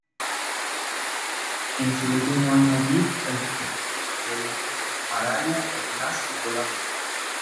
En su último año allí, el proyecto de la revista Maraya-El-Nass vio la luz.